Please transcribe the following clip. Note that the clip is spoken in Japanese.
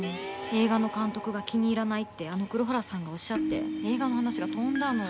映画の監督が気に入らないってあの黒原さんがおっしゃって映画の話が飛んだの。